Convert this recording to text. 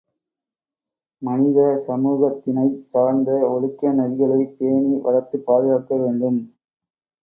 மனித சமூகத்தினைச் சார்ந்த ஒழுக்க நெறிகளைப் பேணி வளர்த்துப் பாதுகாக்க வேண்டும்.